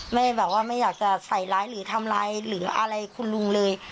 ไม่อยากจะใส่ร้ายหรือทำร้ายหรืออะไรคุณลุงเลย